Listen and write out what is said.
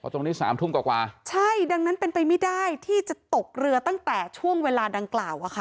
ตรงนี้สามทุ่มกว่ากว่าใช่ดังนั้นเป็นไปไม่ได้ที่จะตกเรือตั้งแต่ช่วงเวลาดังกล่าวอะค่ะ